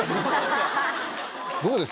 どうです？